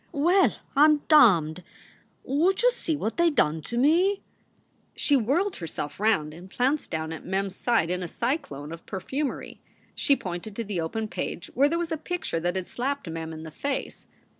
"Well, I m damned! Would ja see what they done to me!" 6 4 SOULS FOR SALE She whirled herself round and plounced down at Merris side in a cyclone of perfumery. She pointed to the open page where there was a picture that had slapped Mem in the face.